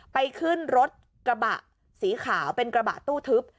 ไปขึ้นรถกระบะสีขาวเป็นกระบะตู้ทึบ